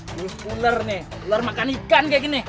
dulu puler nih beler makan ikan kayak gini